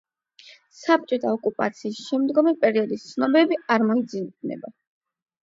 საბჭოთა ოკუპაციის შემდგომი პერიოდის ცნობები არ მოიძებნება.